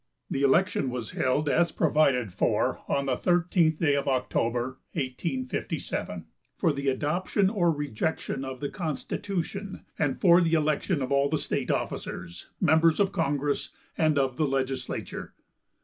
The election was held as provided for on the thirteenth day of October, 1857, for the adoption or rejection of the constitution, and for the election of all the state officers, members of congress and of the legislature.